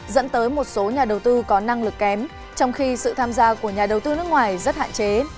dẫn tới một số nhà đầu tư có năng lực kém trong khi sự tham gia của nhà đầu tư nước ngoài rất hạn chế